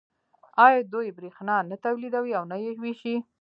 آیا دوی بریښنا نه تولیدوي او نه یې ویشي؟